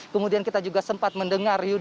kemudian kita juga sempat mendengar